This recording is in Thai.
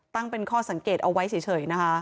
ตั้งเป็นข้อสังเกตเอาไว้เฉยนะคะ